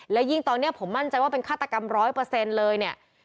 และยิ่งตอนเนี่ยผมมั่นใจว่าเป็นฆาตกรรม๑๐๐เลยเนี่ย